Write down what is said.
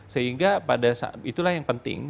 sehingga itulah yang penting